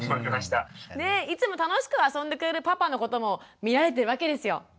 ねっいつも楽しく遊んでくれるパパのことも見られてるわけですよ。